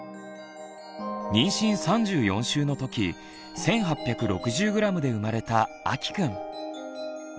妊娠３４週のとき１，８６０ｇで生まれたあきくん。